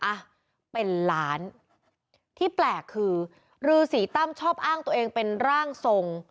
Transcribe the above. อ่ะเป็นล้านที่แปลกคือรือสีตั้มชอบอ้างตัวเองเป็นร่างทรง